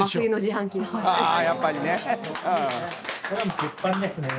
あやっぱりね。